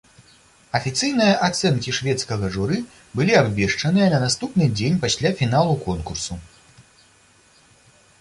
Афіцыйныя ацэнкі шведскага журы былі абвешчаныя на наступны дзень пасля фіналу конкурсу.